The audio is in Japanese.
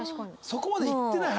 そこまでいってない？